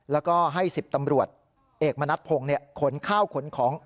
แล้วก็ให้๑๐ตำรวจเอกมณัฐพงศ์ขนข้าวขนของ